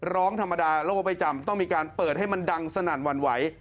ร้องธรรมดาโลกไม่จำต้องมีการเปิดให้มันดังสนั่นหวั่นไหว